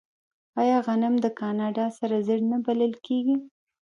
آیا غنم د کاناډا سره زر نه بلل کیږي؟